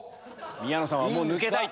宮野さんはもう抜けたいと。